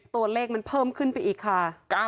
ตัวเลขมันเพิ่มขึ้นไปอีกค่ะ